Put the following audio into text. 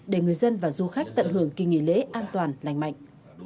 để người dân và du khách tận hưởng kỳ nghỉ lễ an toàn lành mạnh